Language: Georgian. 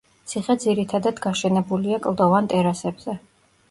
ციხე ძირითადად გაშენებულია კლდოვან ტერასებზე.